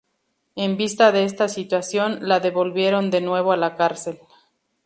En vista de esta situación, la devolvieron de nuevo a la cárcel.